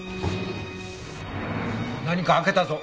何か開けたぞ。